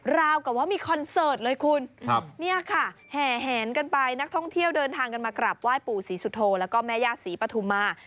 ราวกับว่ามีคอนเสิร์ตเลยคุณเนี่ยค่ะแห่แหนกันไปนักท่องเที่ยวเดินทางกันมากราบไหว้ปู่ศรีสุโธแล้วก็แม่ย่าศรีปฐุมา